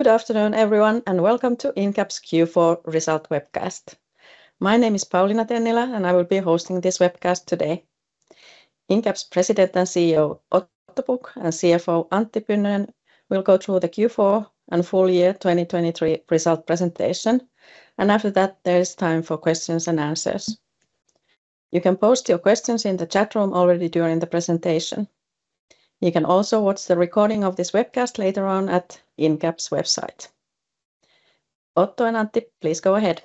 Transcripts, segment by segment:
Good afternoon, everyone, and welcome to Incap's Q4 Result Webcast. My name is Pauliina Tennilä, and I will be hosting this webcast today. Incap's President and CEO Otto Pukk and CFO Antti Pynnönen will go through the Q4 and full year 2023 result presentation, and after that there is time for questions and answers. You can post your questions in the chat room already during the presentation. You can also watch the recording of this webcast later on at Incap's website. Otto and Antti, please go ahead.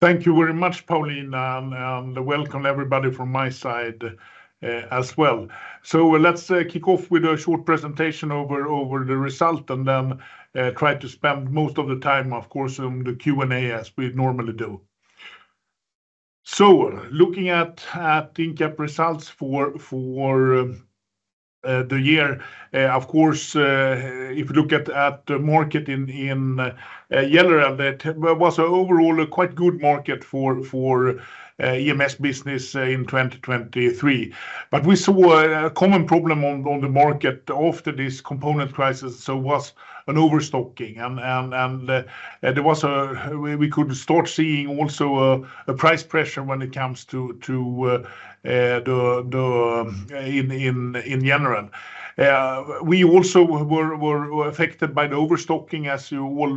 Thank you very much, Pauliina, and welcome everybody from my side as well. So let's kick off with a short presentation over the result and then try to spend most of the time, of course, on the Q&A as we normally do. So looking at Incap results for the year, of course, if we look at the market in general, there was overall a quite good market for EMS business in 2023. But we saw a common problem on the market after this component crisis, so was an overstocking, and we could start seeing also a price pressure when it comes to things in general. We also were affected by the overstocking, as you all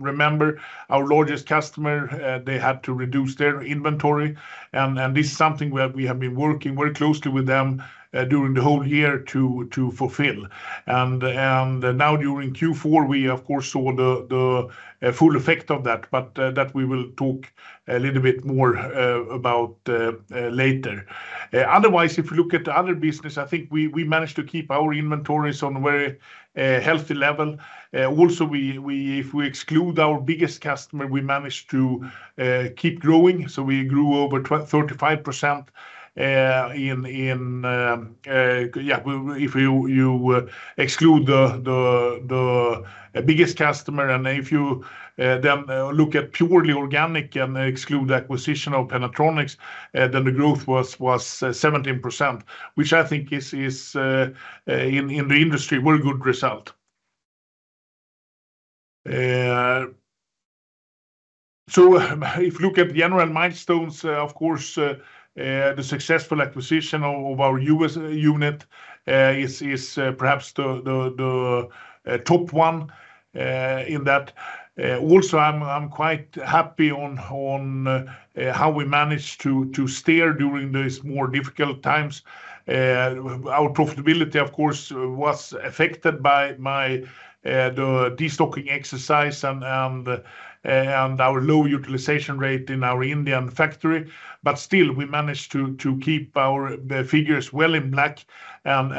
remember. Our largest customer, they had to reduce their inventory, and this is something we have been working very closely with them during the whole year to fulfill. Now during Q4 we, of course, saw the full effect of that, but that we will talk a little bit more about later. Otherwise, if we look at the other business, I think we managed to keep our inventories on a very healthy level. Also, if we exclude our biggest customer, we managed to keep growing, so we grew over 35%. Yeah, if you exclude the biggest customer and if you then look at purely organic and exclude acquisition of Pennatronics, then the growth was 17%, which I think is, in the industry, a very good result. So if you look at the general milestones, of course, the successful acquisition of our U.S. unit is perhaps the top one in that. Also, I'm quite happy with how we managed to steer during these more difficult times. Our profitability, of course, was affected by the destocking exercise and our low utilization rate in our Indian factory. But still, we managed to keep our figures well in black and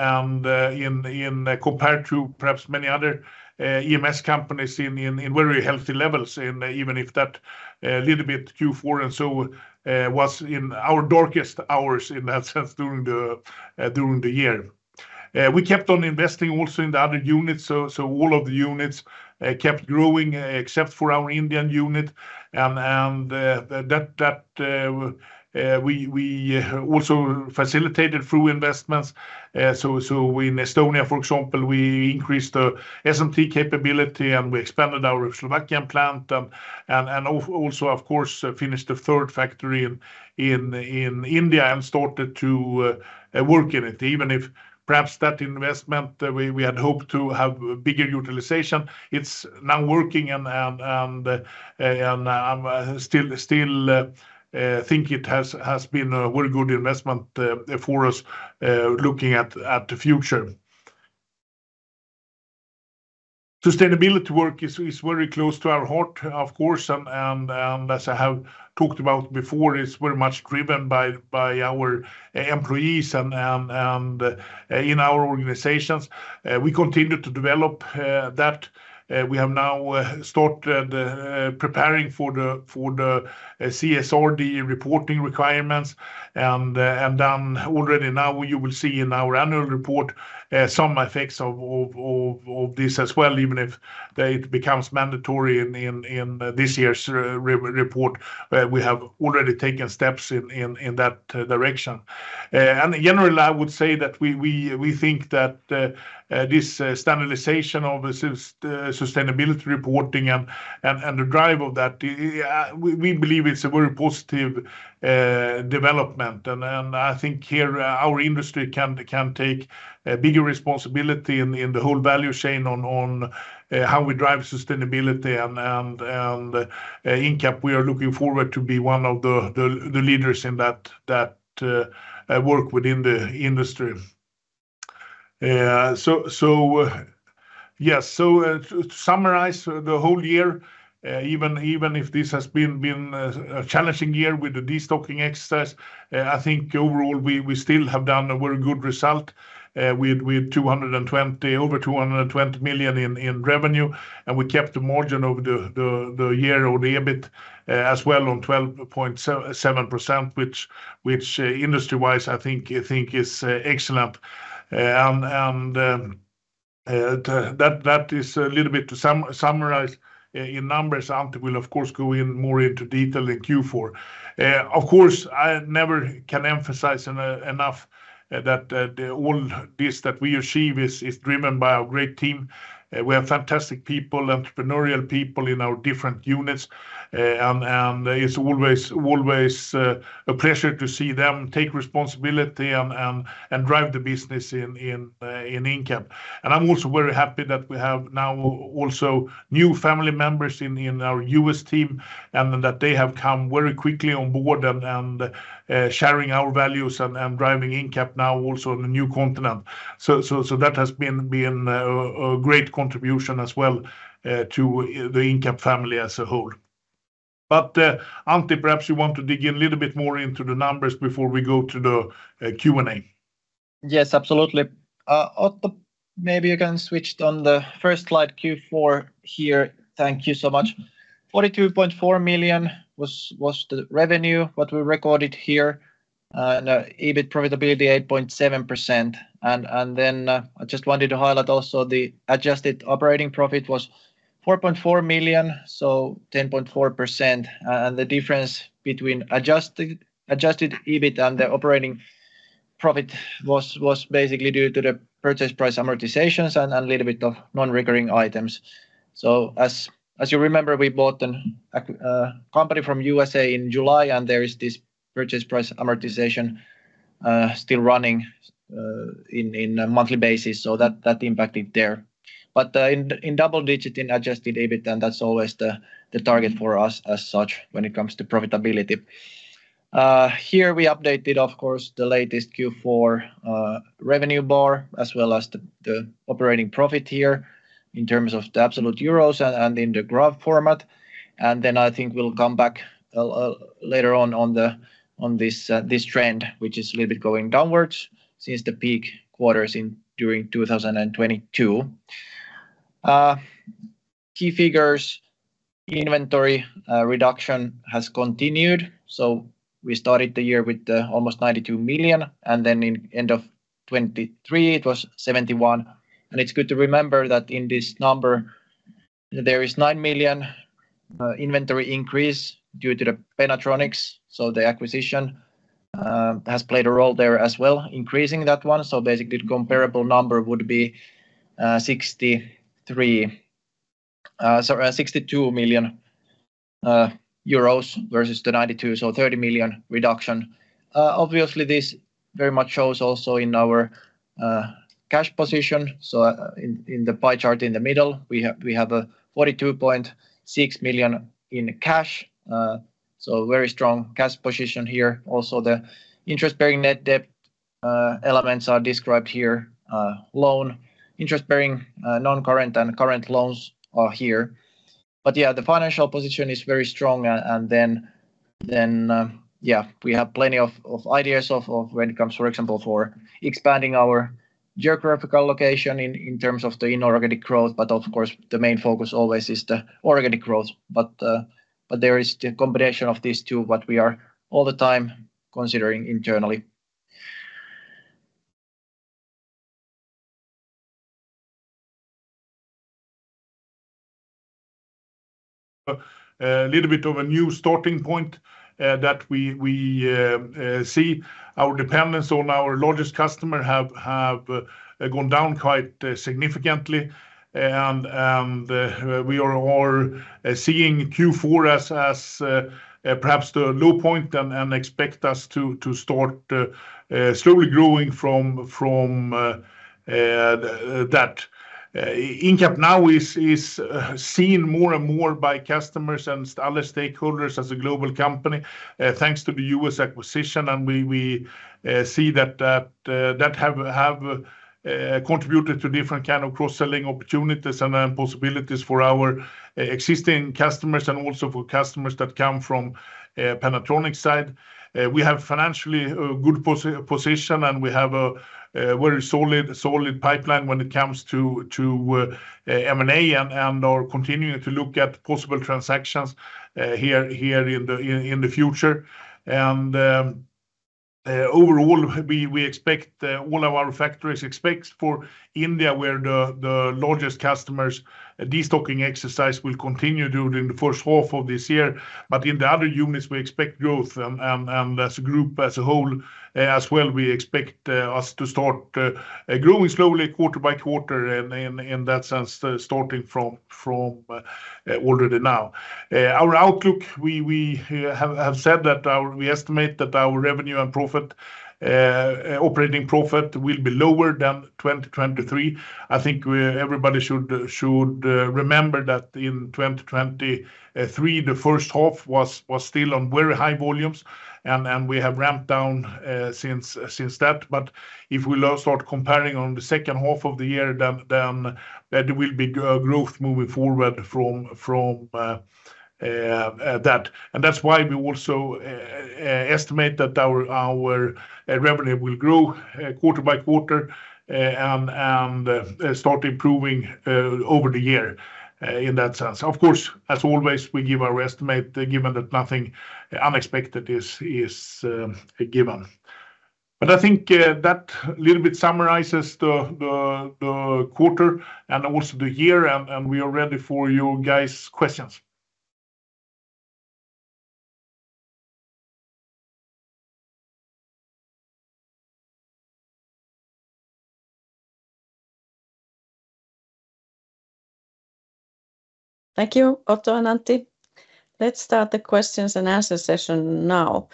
compared to perhaps many other EMS companies in very healthy levels, even if that little bit Q4 and so was in our darkest hours in that sense during the year. We kept on investing also in the other units, so all of the units kept growing except for our Indian unit. We also facilitated through investments. So in Estonia, for example, we increased the SMT capability and we expanded our Slovakian plant and also, of course, finished the third factory in India and started to work in it. Even if perhaps that investment we had hoped to have bigger utilization, it's now working and I still think it has been a very good investment for us looking at the future. Sustainability work is very close to our heart, of course, and as I have talked about before, it's very much driven by our employees and in our organizations. We continue to develop that. We have now started preparing for the CSRD reporting requirements, and then already now you will see in our annual report some effects of this as well, even if it becomes mandatory in this year's report. We have already taken steps in that direction. Generally, I would say that we think that this standardization of sustainability reporting and the drive of that, we believe it's a very positive development. I think here our industry can take bigger responsibility in the whole value chain on how we drive sustainability. And Incap, we are looking forward to be one of the leaders in that work within the industry. So yes, to summarize the whole year, even if this has been a challenging year with the destocking exercise, I think overall we still have done a very good result with over 220 million in revenue, and we kept the margin over the year or the EBIT as well on 12.7%, which industry-wise I think is excellent. And that is a little bit to summarize in numbers. Antti will, of course, go in more into detail in Q4. Of course, I never can emphasize enough that all this that we achieve is driven by our great team. We have fantastic people, entrepreneurial people in our different units, and it's always a pleasure to see them take responsibility and drive the business in Incap. I'm also very happy that we have now also new family members in our U.S. team and that they have come very quickly on board and sharing our values and driving Incap now also on a new continent. That has been a great contribution as well to the Incap family as a whole. But Antti, perhaps you want to dig in a little bit more into the numbers before we go to the Q&A. Yes, absolutely. Otto, maybe you can switch on the first slide Q4 here. Thank you so much. 42.4 million was the revenue, what we recorded here, and EBIT profitability 8.7%. Then I just wanted to highlight also the adjusted operating profit was 4.4 million, so 10.4%, and the difference between adjusted EBIT and the operating profit was basically due to the purchase price amortizations and a little bit of non-recurring items. So as you remember, we bought a company from the USA in July, and there is this purchase price amortization still running on a monthly basis, so that impacted there. But in double digit in adjusted EBIT, and that's always the target for us as such when it comes to profitability. Here we updated, of course, the latest Q4 revenue bar as well as the operating profit here in terms of the absolute EUR and in the graph format. And then I think we'll come back later on on this trend, which is a little bit going downwards since the peak quarters during 2022. Key figures: inventory reduction has continued. So we started the year with almost 92 million, and then in the end of 2023 it was 71 million. And it's good to remember that in this number there is 9 million inventory increase due to the Pennatronics, so the acquisition has played a role there as well, increasing that one. So basically the comparable number would be 62 million euros versus the 92 million, so 30 million reduction. Obviously, this very much shows also in our cash position. In the pie chart in the middle, we have 42.6 million in cash, so very strong cash position here. Also the interest-bearing net debt elements are described here, loan, interest-bearing non-current and current loans are here. But yeah, the financial position is very strong, and then yeah, we have plenty of ideas when it comes, for example, for expanding our geographical location in terms of the inorganic growth. But of course, the main focus always is the organic growth, but there is the combination of these two what we are all the time considering internally. A little bit of a new starting point that we see. Our dependence on our largest customer has gone down quite significantly, and we are seeing Q4 as perhaps the low point and expect us to start slowly growing from that. Incap now is seen more and more by customers and other stakeholders as a global company thanks to the US acquisition, and we see that that have contributed to different kinds of cross-selling opportunities and possibilities for our existing customers and also for customers that come from Pennatronics side. We have financially a good position, and we have a very solid pipeline when it comes to M&A and are continuing to look at possible transactions here in the future. Overall, we expect all of our factories except for India where the largest customers' destocking exercise will continue during the first half of this year. But in the other units, we expect growth, and as a group, as a whole as well, we expect us to start growing slowly quarter by quarter in that sense, starting from already now. Our outlook, we have said that we estimate that our revenue and operating profit will be lower than 2023. I think everybody should remember that in 2023, the first half was still on very high volumes, and we have ramped down since that. But if we start comparing on the second half of the year, then there will be growth moving forward from that. And that's why we also estimate that our revenue will grow quarter by quarter and start improving over the year in that sense. Of course, as always, we give our estimate given that nothing unexpected is given. I think that a little bit summarizes the quarter and also the year, and we are ready for you guys' questions. Thank you, Otto and Antti. Let's start the questions and answers session now.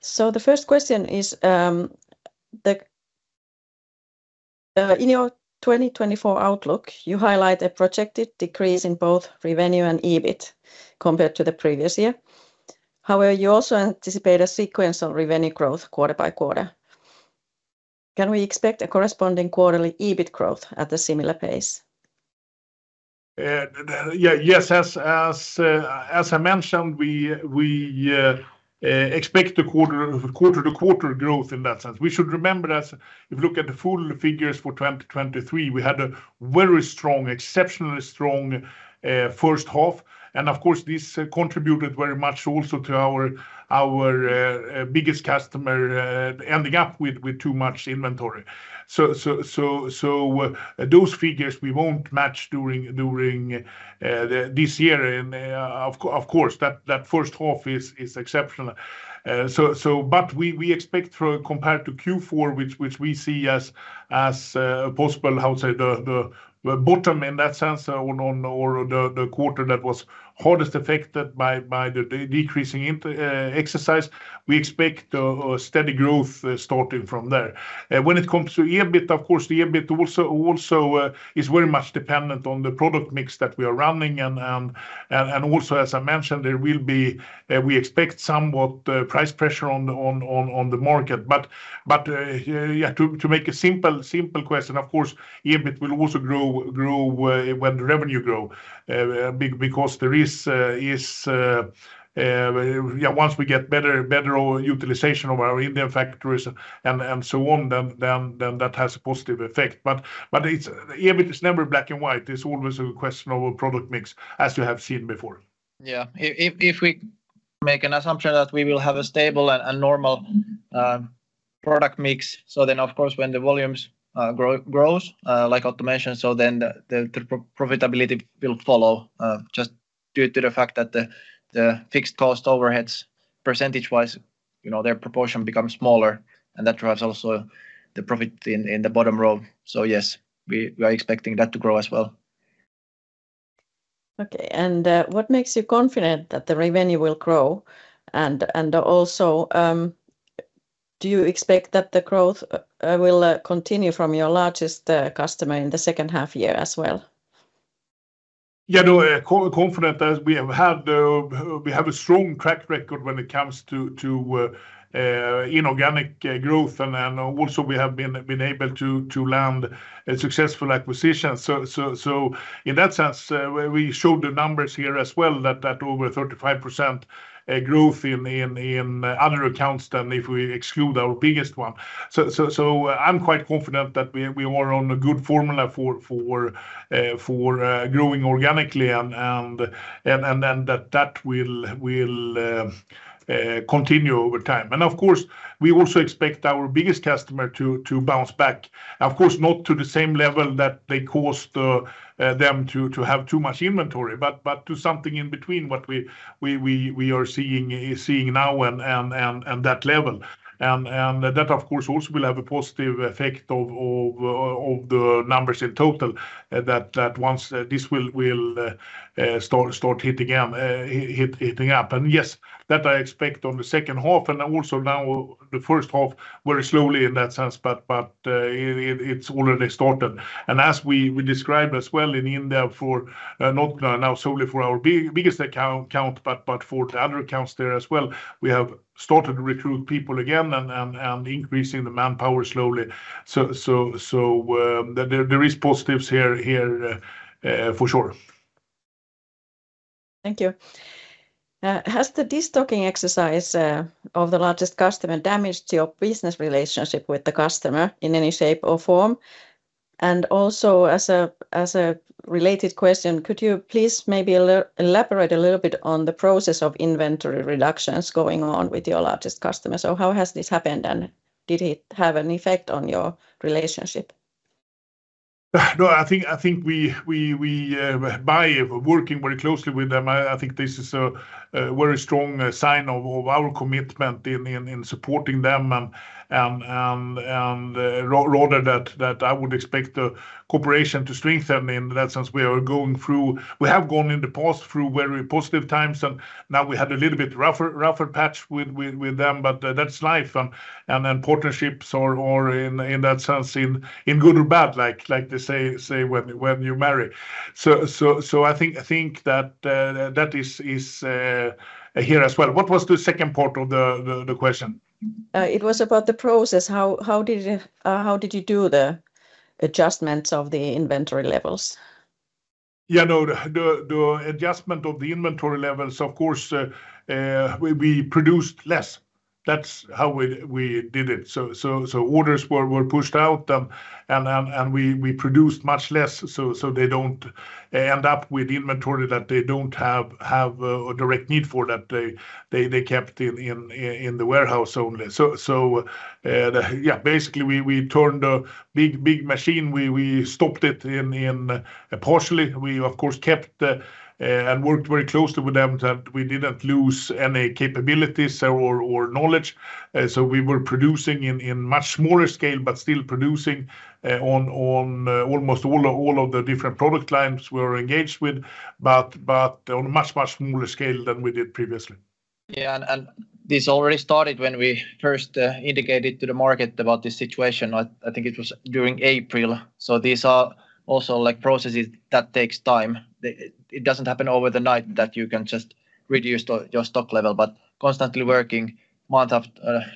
So the first question is: In your 2024 outlook, you highlight a projected decrease in both revenue and EBIT compared to the previous year. However, you also anticipate a sequential revenue growth quarter by quarter. Can we expect a corresponding quarterly EBIT growth at a similar pace? Yes, as I mentioned, we expect quarter-to-quarter growth in that sense. We should remember that if you look at the full figures for 2023, we had a very strong, exceptionally strong first half. Of course, this contributed very much also to our biggest customer ending up with too much inventory. Those figures we won't match during this year. Of course, that first half is exceptional. We expect compared to Q4, which we see as a possible, how to say, the bottom in that sense or the quarter that was hardest affected by the decreasing exercise, a steady growth starting from there. When it comes to EBIT, of course, the EBIT also is very much dependent on the product mix that we are running. Also, as I mentioned, there will be, we expect, somewhat price pressure on the market. But yeah, to make a simple question, of course, EBIT will also grow when the revenue grows because there is, yeah, once we get better utilization of our Indian factories and so on, then that has a positive effect. But EBIT is never black and white. It's always a question of a product mix, as you have seen before. Yeah, if we make an assumption that we will have a stable and normal product mix, so then of course when the volumes grow, like Otto mentioned, so then the profitability will follow just due to the fact that the fixed cost overheads percentage-wise, their proportion becomes smaller and that drives also the profit in the bottom row. So yes, we are expecting that to grow as well. Okay, and what makes you confident that the revenue will grow? And also, do you expect that the growth will continue from your largest customer in the second half year as well? Yeah, confident as we have had a strong track record when it comes to inorganic growth, and also we have been able to land successful acquisitions. So in that sense, we showed the numbers here as well that over 35% growth in other accounts than if we exclude our biggest one. So I'm quite confident that we are on a good formula for growing organically and that will continue over time. And of course, we also expect our biggest customer to bounce back. Of course, not to the same level that they caused them to have too much inventory, but to something in between what we are seeing now and that level. And that, of course, also will have a positive effect of the numbers in total that once this will start hitting up. And yes, that I expect on the second half and also now the first half very slowly in that sense, but it's already started. As we described as well in India for not now solely for our biggest account, but for the other accounts there as well, we have started to recruit people again and increasing the manpower slowly. So there are positives here for sure. Thank you. Has the destocking exercise of the largest customer damaged your business relationship with the customer in any shape or form? And also as a related question, could you please maybe elaborate a little bit on the process of inventory reductions going on with your largest customer? So how has this happened, and did it have an effect on your relationship? No, I think by working very closely with them, I think this is a very strong sign of our commitment in supporting them, and rather than that I would expect the cooperation to strengthen in that sense. We have gone in the past through very positive times, and now we had a little bit rougher patch with them, but that's life. Partnerships are in that sense in good or bad, like they say when you marry. I think that is here as well. What was the second part of the question? It was about the process. How did you do the adjustments of the inventory levels? Yeah, no, the adjustment of the inventory levels, of course, we produced less. That's how we did it. So orders were pushed out, and we produced much less so they don't end up with inventory that they don't have a direct need for, that they kept in the warehouse only. So yeah, basically we turned a big machine. We stopped it partially. We, of course, kept and worked very closely with them that we didn't lose any capabilities or knowledge. So we were producing in much smaller scale, but still producing on almost all of the different product lines we were engaged with, but on a much, much smaller scale than we did previously. Yeah, and this already started when we first indicated to the market about this situation. I think it was during April. So these are also processes that take time. It doesn't happen over the night that you can just reduce your stock level, but constantly working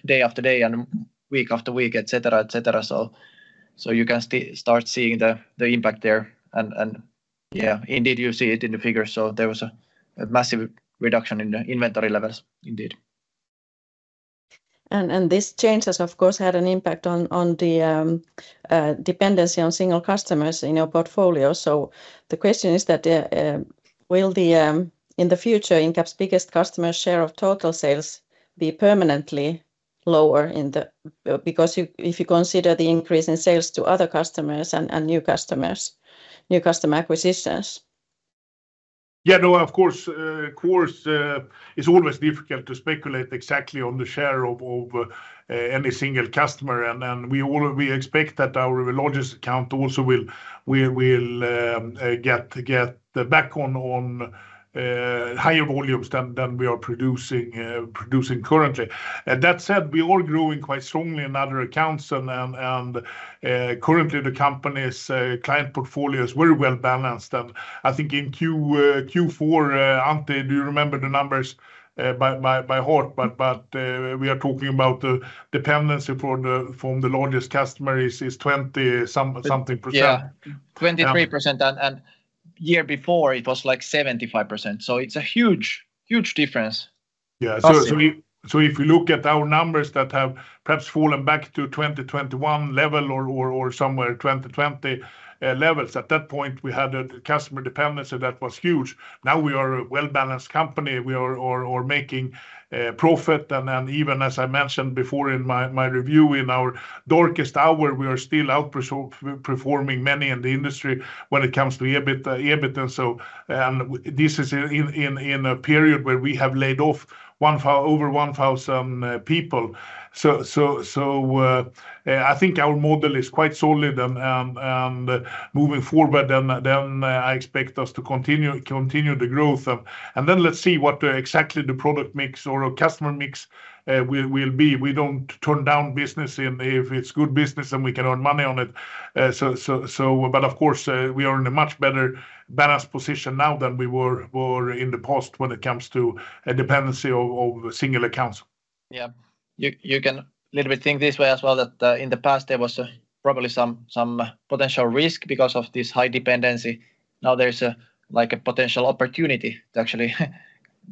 day after day and week after week, etc., etc. So you can start seeing the impact there. And yeah, indeed, you see it in the figures. So there was a massive reduction in the inventory levels, indeed. And these changes, of course, had an impact on the dependency on single customers in your portfolio. So the question is that will the, in the future, Incap's biggest customer's share of total sales be permanently lower because if you consider the increase in sales to other customers and new customer acquisitions? Yeah, no, of course, of course, it's always difficult to speculate exactly on the share of any single customer. And we expect that our largest account also will get back on higher volumes than we are producing currently. That said, we are growing quite strongly in other accounts, and currently the company's client portfolio is very well balanced. And I think in Q4, Antti, do you remember the numbers by heart? But we are talking about the dependency from the largest customer is 20-something%. Yeah, 23%, and year before it was like 75%. So it's a huge difference. Yeah, so if you look at our numbers that have perhaps fallen back to 2021 level or somewhere 2020 levels, at that point we had a customer dependency that was huge. Now we are a well-balanced company. We are making profit. And even as I mentioned before in my review, in our darkest hour, we are still outperforming many in the industry when it comes to EBIT. And this is in a period where we have laid off over 1,000 people. So I think our model is quite solid and moving forward. Then I expect us to continue the growth. And then let's see what exactly the product mix or customer mix will be. We don't turn down business if it's good business and we can earn money on it. Of course, we are in a much better balanced position now than we were in the past when it comes to a dependency of single accounts. Yeah, you can a little bit think this way as well, that in the past there was probably some potential risk because of this high dependency. Now there's a potential opportunity to actually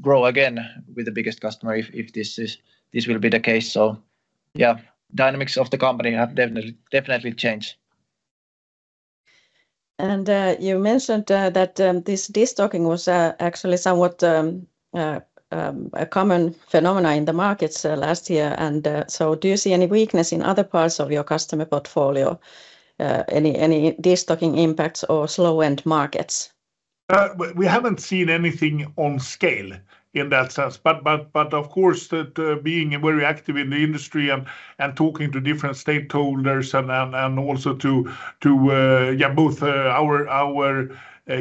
grow again with the biggest customer if this will be the case. So yeah, dynamics of the company have definitely changed. You mentioned that this destocking was actually somewhat a common phenomenon in the markets last year. And so do you see any weakness in other parts of your customer portfolio? Any destocking impacts or slowing end markets? We haven't seen anything on scale in that sense. But of course, being very active in the industry and talking to different stakeholders and also to, yeah, both our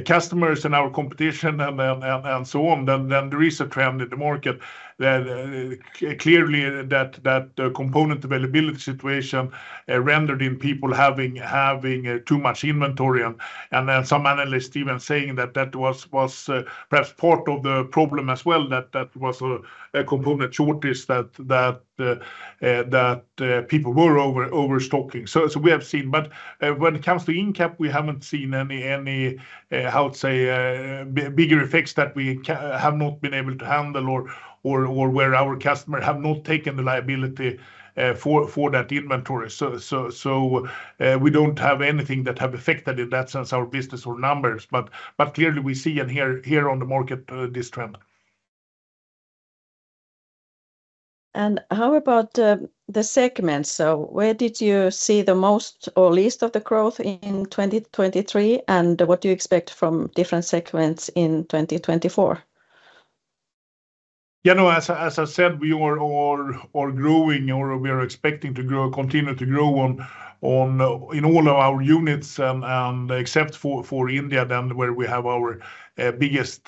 customers and our competition and so on, then there is a trend in the market clearly that the component availability situation rendered in people having too much inventory. And some analysts even saying that that was perhaps part of the problem as well, that was a component shortage that people were overstocking. So we have seen. But when it comes to Incap, we haven't seen any, how to say, bigger effects that we have not been able to handle or where our customer have not taken the liability for that inventory. So we don't have anything that have affected in that sense our business or numbers. But clearly we see and hear on the market this trend. How about the segments? Where did you see the most or least of the growth in 2023, and what do you expect from different segments in 2024? Yeah, no, as I said, we are growing or we are expecting to grow, continue to grow in all of our units. Except for India, then where we have our biggest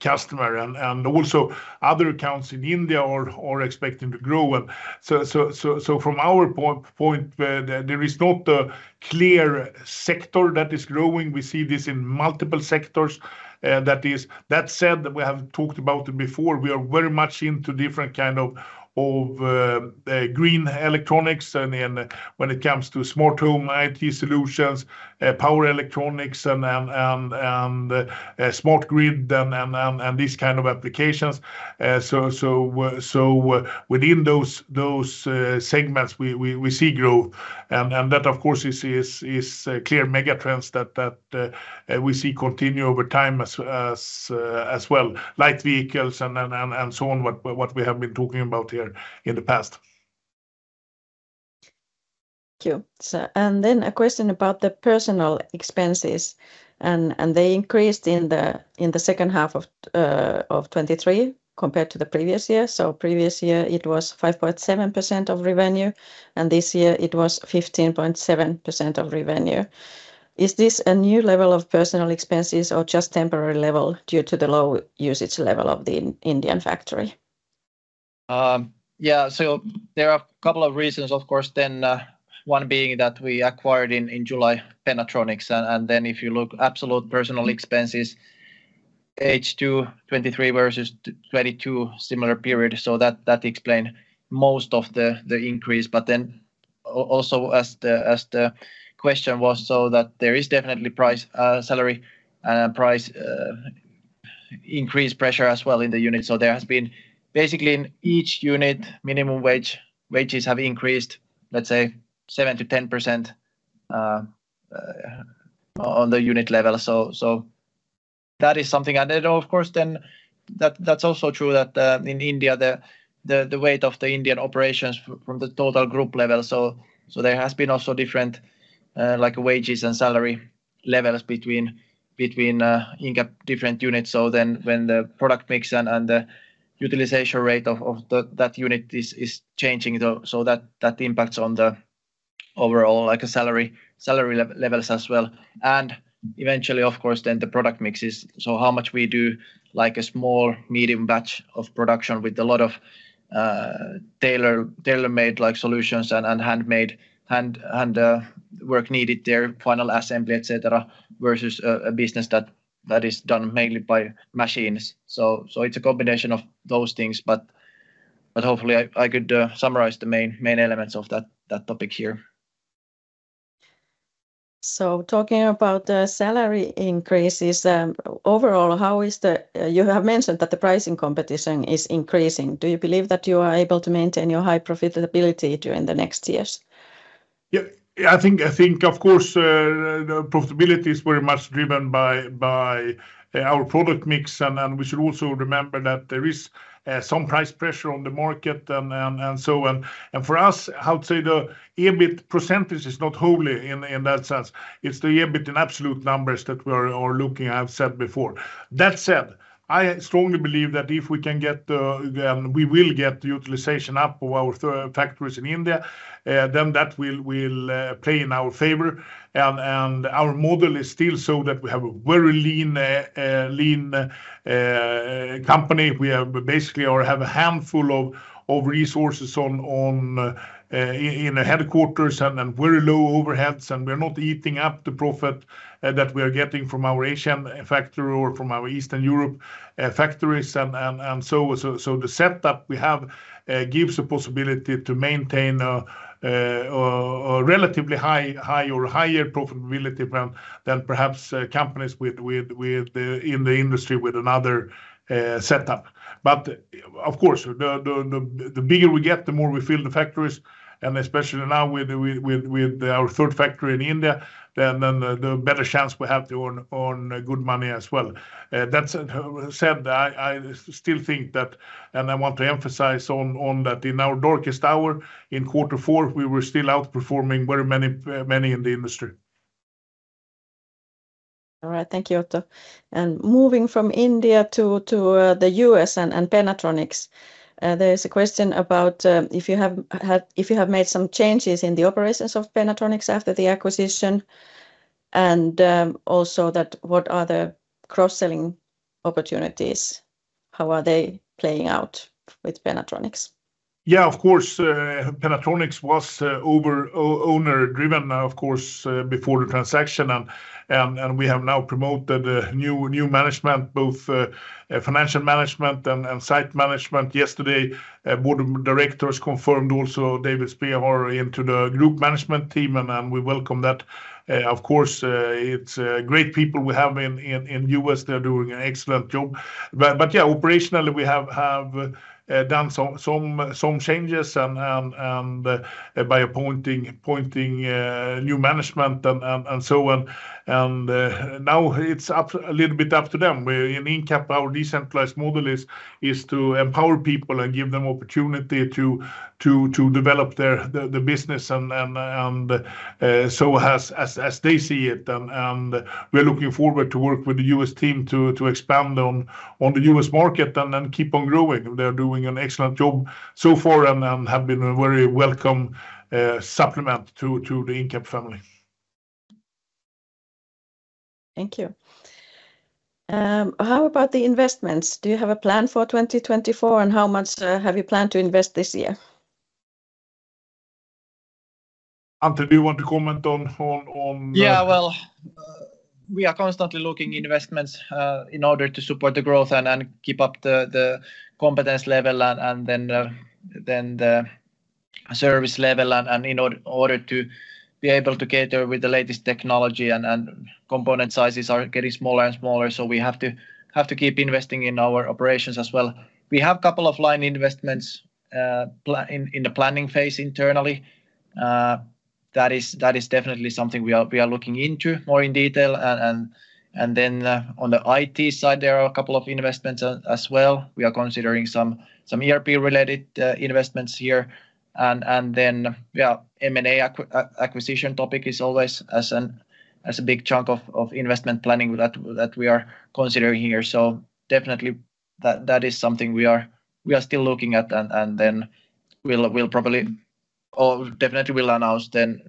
customer. And also other accounts in India are expecting to grow. So from our point, there is not a clear sector that is growing. We see this in multiple sectors. That said, we have talked about it before. We are very much into different kinds of green electronics when it comes to smart home IT solutions, power electronics, and smart grid, and these kinds of applications. So within those segments, we see growth. And that, of course, is clear megatrends that we see continue over time as well, light vehicles and so on, what we have been talking about here in the past. Thank you. Then a question about the personnel expenses. They increased in the second half of 2023 compared to the previous year. So previous year it was 5.7% of revenue, and this year it was 15.7% of revenue. Is this a new level of personnel expenses or just temporary level due to the low usage level of the Indian factory? Yeah, so there are a couple of reasons, of course. One being that we acquired in July Pennatronics. And then if you look, absolute personnel expenses, H2 2023 versus 2022, similar period. So that explained most of the increase. But then also as the question was, so that there is definitely salary and price increase pressure as well in the unit. So there has been basically in each unit, minimum wages have increased, let's say, 7%-10% on the unit level. So that is something. And of course, then that's also true that in India, the weight of the Indian operations from the total group level. So there has been also different wages and salary levels between Incap, different units. So then when the product mix and the utilization rate of that unit is changing, so that impacts on the overall salary levels as well. Eventually, of course, then the product mix is so how much we do a small, medium batch of production with a lot of tailor-made solutions and handmade work needed there, final assembly, etc., versus a business that is done mainly by machines. So it's a combination of those things. But hopefully I could summarize the main elements of that topic here. Talking about the salary increases, overall, how is it you have mentioned that the pricing competition is increasing? Do you believe that you are able to maintain your high profitability during the next years? Yeah, I think, of course, the profitability is very much driven by our product mix. And we should also remember that there is some price pressure on the market and so. And for us, how to say, the EBIT percentage is not holy in that sense. It's the EBIT in absolute numbers that we are looking. I have said before. That said, I strongly believe that if we can get and we will get the utilization up of our factories in India, then that will play in our favor. And our model is still so that we have a very lean company. We basically have a handful of resources in headquarters and very low overheads. And we are not eating up the profit that we are getting from our Asian factory or from our Eastern Europe factories. And so the setup we have gives a possibility to maintain a relatively high or higher profitability than perhaps companies in the industry with another setup. But of course, the bigger we get, the more we fill the factories. And especially now with our third factory in India, then the better chance we have to earn good money as well. That said, I still think that, and I want to emphasize on that, in our darkest hour, in quarter four, we were still outperforming very many in the industry. All right, thank you, Otto. Moving from India to the U.S. and Pennatronics, there is a question about if you have made some changes in the operations of Pennatronics after the acquisition. Also that what are the cross-selling opportunities? How are they playing out with Pennatronics? Yeah, of course, Pennatronics was owner-driven, of course, before the transaction. And we have now promoted new management, both financial management and site management. Yesterday, board of directors confirmed also David Spehar into the group management team. And we welcome that. Of course, it's great people we have in the U.S. They're doing an excellent job. But yeah, operationally, we have done some changes by appointing new management and so. And now it's a little bit up to them. In Incap, our decentralized model is to empower people and give them opportunity to develop their business and so as they see it. And we are looking forward to work with the U.S. team to expand on the U.S. market and keep on growing. They are doing an excellent job so far and have been a very welcome supplement to the Incap family. Thank you. How about the investments? Do you have a plan for 2024, and how much have you planned to invest this year? Antti, do you want to comment on? Yeah, well, we are constantly looking at investments in order to support the growth and keep up the competence level and then the service level in order to be able to cater with the latest technology. And component sizes are getting smaller and smaller. So we have to keep investing in our operations as well. We have a couple of line investments in the planning phase internally. That is definitely something we are looking into more in detail. And then on the IT side, there are a couple of investments as well. We are considering some ERP-related investments here. And then yeah, M&A acquisition topic is always as a big chunk of investment planning that we are considering here. So definitely that is something we are still looking at. And then we'll probably definitely announce then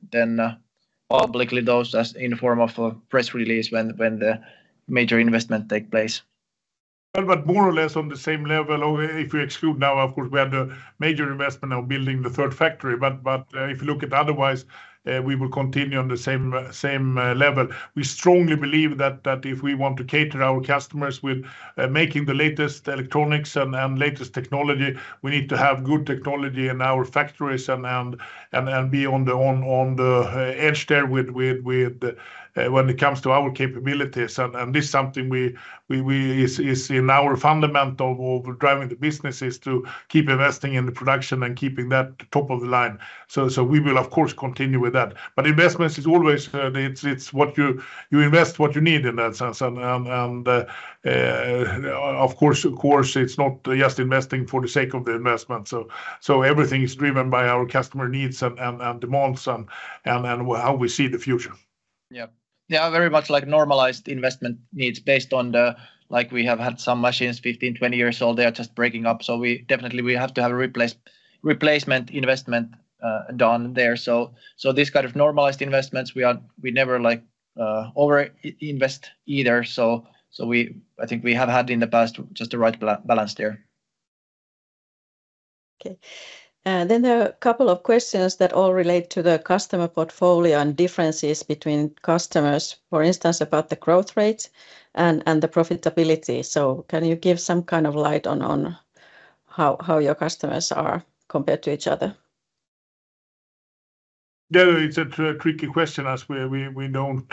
publicly those in the form of a press release when the major investment takes place. But more or less on the same level. If you exclude now, of course, we had the major investment of building the third factory. But if you look at otherwise, we will continue on the same level. We strongly believe that if we want to cater our customers with making the latest electronics and latest technology, we need to have good technology in our factories and be on the edge there when it comes to our capabilities. And this is something that is in our foundation of driving the business is to keep investing in the production and keeping that top of the line. So we will, of course, continue with that. But investments is always it's what you invest what you need in that sense. And of course, it's not just investing for the sake of the investment. Everything is driven by our customer needs and demands and how we see the future. Yeah, yeah, very much like normalized investment needs based on the like we have had some machines 15-20 years old, they are just breaking up. So definitely we have to have a replacement investment done there. So these kind of normalized investments, we never overinvest either. So I think we have had in the past just the right balance there. Okay. Then a couple of questions that all relate to the customer portfolio and differences between customers, for instance, about the growth rates and the profitability. So can you give some kind of light on how your customers are compared to each other? No, it's a tricky question as we don't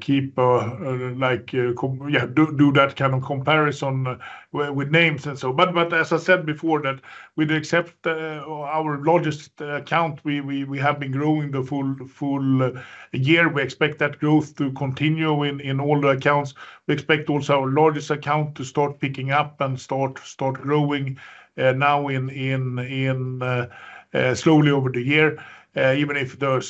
keep, yeah, do that kind of comparison with names and so. But as I said before, that with except our largest account, we have been growing the full year. We expect that growth to continue in all the accounts. We expect also our largest account to start picking up and start growing now slowly over the year, even if the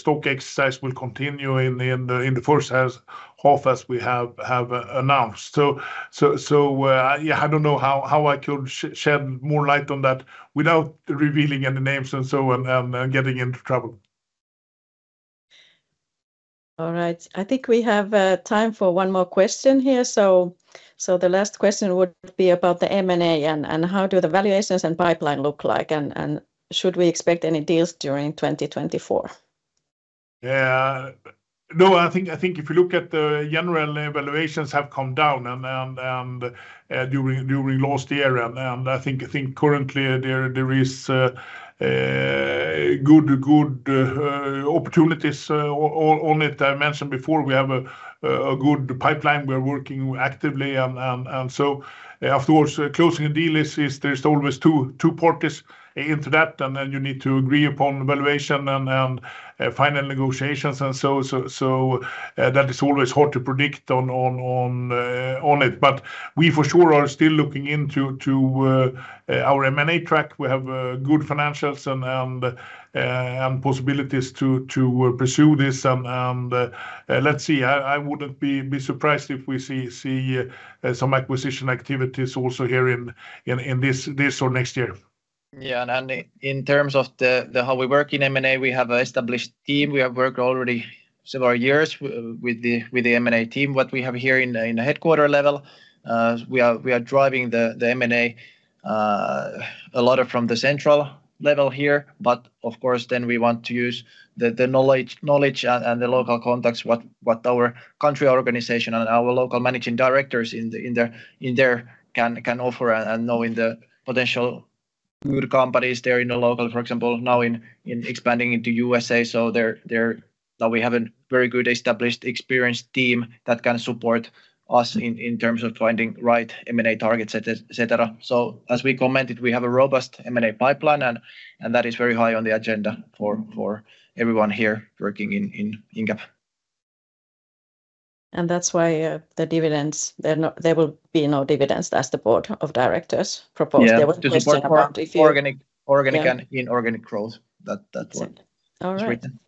stock exercise will continue in the first half as we have announced. So yeah, I don't know how I could shed more light on that without revealing any names and so and getting into trouble. All right. I think we have time for one more question here. So the last question would be about the M&A and how do the valuations and pipeline look like? And should we expect any deals during 2024? Yeah, no, I think if you look at the general valuations have come down during last year. And I think currently there is good opportunities on it. I mentioned before, we have a good pipeline. We are working actively. And so of course, closing a deal is there's always two parties into that. And then you need to agree upon valuation and final negotiations. And so that is always hard to predict on it. But we for sure are still looking into our M&A track. We have good financials and possibilities to pursue this. And let's see, I wouldn't be surprised if we see some acquisition activities also here in this or next year. Yeah, and in terms of how we work in M&A, we have an established team. We have worked already several years with the M&A team. What we have here in the headquarters level, we are driving the M&A a lot from the central level here. But of course, then we want to use the knowledge and the local contacts, what our country organization and our local managing directors in there can offer and know in the potential good companies there in the local, for example, now expanding into the USA. So now we have a very good established experienced team that can support us in terms of finding right M&A targets, etc. So as we commented, we have a robust M&A pipeline, and that is very high on the agenda for everyone here working in Incap. That's why the dividends. There will be no dividends as the board of directors proposed. They will change the amount if you. Organic and inorganic growth, that's written.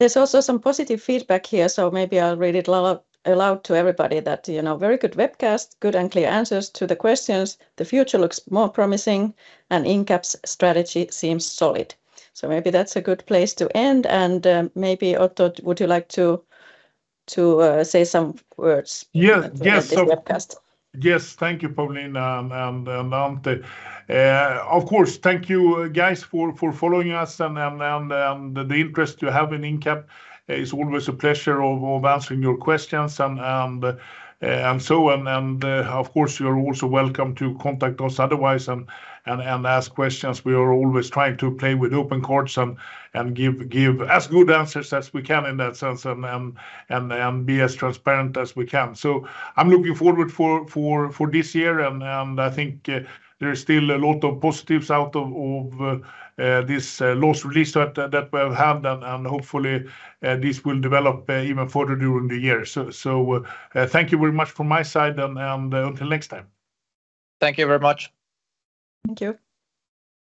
There's also some positive feedback here. Maybe I'll read it aloud to everybody: "Very good webcast, good and clear answers to the questions." The future looks more promising, and Incap's strategy seems solid. Maybe that's a good place to end. Maybe, Otto, would you like to say some words about this webcast? Yes, thank you, Pauliina and Antti. Of course, thank you, guys, for following us. And the interest you have in Incap is always a pleasure of answering your questions. And so, and of course, you are also welcome to contact us otherwise and ask questions. We are always trying to play with open cards and give as good answers as we can in that sense and be as transparent as we can. So I'm looking forward for this year. And I think there is still a lot of positives out of this launch release that we have had. And hopefully, this will develop even further during the year. So thank you very much from my side. And until next time. Thank you very much. Thank you.